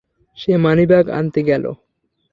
সে money bag আনতে গেল।